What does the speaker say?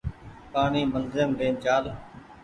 پآڻيٚ مندريم لين چآل